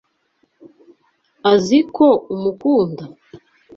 Azi ko umukunda?